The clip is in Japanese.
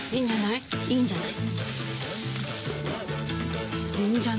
いいんじゃない？